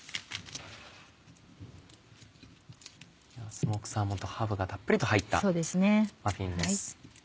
スモークサーモンとハーブがたっぷりと入ったマフィンです。